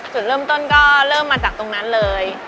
จุดเริ่มต้นก็เริ่มมาจากตรงนั้นเลย